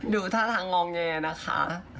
ดูท่าทางงองเยนนะคะ